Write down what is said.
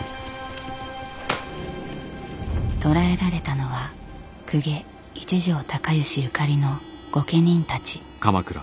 捕らえられたのは公家一条高能ゆかりの御家人たち。